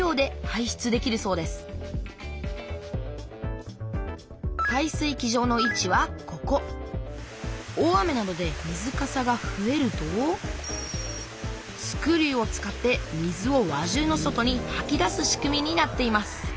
排水機場の位置はここ大雨などで水かさがふえるとスクリューを使って水を輪中の外にはき出す仕組みになっています